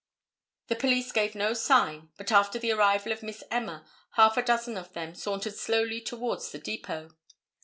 The police gave no sign, but after the arrival of Miss Emma, half a dozen of them sauntered slowly towards the depot.